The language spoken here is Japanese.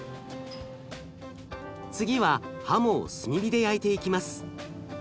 次はハモを炭火で焼いていきます。